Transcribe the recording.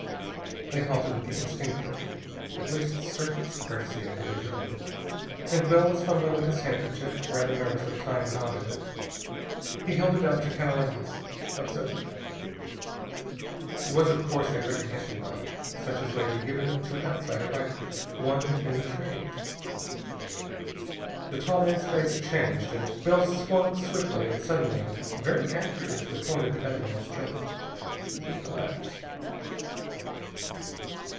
They halted with the instinctive, at least surface, courtesy of the Brazilian. And Bell was fumbling with his handkerchief, rather nervously tying a knot in it. He held it out to Canalejas. "Observe." It was, of course, a recognition knot such as may be given to an outsider by one in the Trade. The tall man's face changed. And Bell swung swiftly and suddenly and very accurately to the point of the other man's jaw. He collapsed.